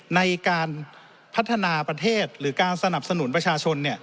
ในการพัฒนาประเทศหรือการสนับสนุนประชาชน